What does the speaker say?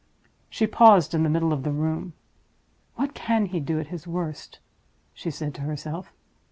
She paused in the middle of the room. "What can he do at his worst?" she said to herself.